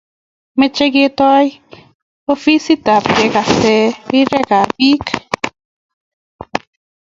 Mache ketoy ofisit ab kegase rirek ab piik